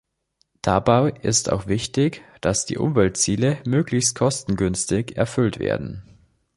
Dabei ist auch wichtig, dass die Umweltziele möglichst kostengünstig erfüllt werden.